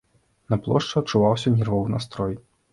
На плошчы адчуваўся нервовы настрой.